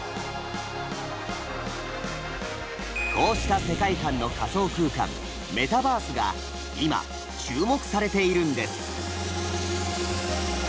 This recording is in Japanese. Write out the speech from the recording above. こうした世界観の仮想空間「メタバース」が今注目されているんです。